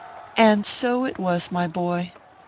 And so it was, my boy